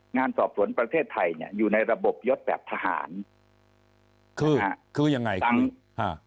งานสอบสวนประเทศไทยเนี่ยอยู่ในระบบยศแบบทหารคือฮะคือยังไงตังค์ฮะ